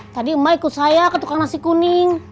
tadi mbak ikut saya ke tukang nasi kuning